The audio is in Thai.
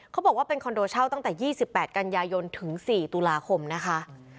เขาบอกว่าเป็นคอนโดเช่าตั้งแต่๒๘กันยายนถึง๔ตุลาคมนะคะ